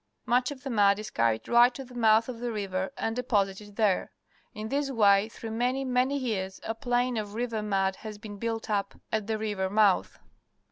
Much of the mud is carried right to the mouth of the river and deposited there. In this way, through many , many years, a plain of river mud has been builtup atthe river mouth.